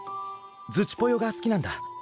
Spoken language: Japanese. ズチぽよがすきなんだ。